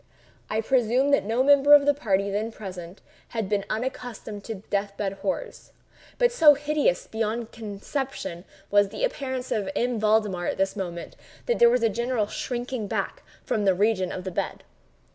I presume that no member of the party then present had been unaccustomed to death bed horrors; but so hideous beyond conception was the appearance of M. Valdemar at this moment, that there was a general shrinking back from the region of the bed.